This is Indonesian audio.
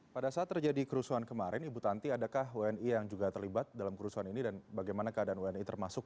pada saat terjadi kerusuhan kemarin ibu tanti adakah wni yang juga terlibat dalam kerusuhan ini dan bagaimana keadaan wni termasuk